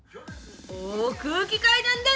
お空気階段だ！